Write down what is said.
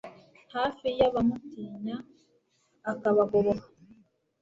hafi y'abamutinya, akabagoboka